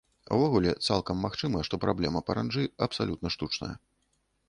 Увогуле, цалкам магчыма, што праблема паранджы абсалютна штучная.